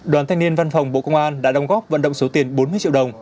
đoàn thanh niên văn phòng bộ công an đã đồng góp vận động số tiền bốn mươi triệu đồng